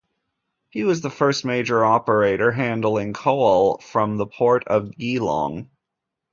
He was the first major operator handling coal from the port of Geelong.